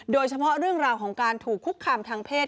โดยเฉพาะเรื่องราวของการถูกคุกคามทางเพศ